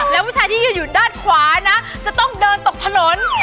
แล้วผู้ชายที่ยืนอยู่ด้านขวานะจะต้องเดินตกถนน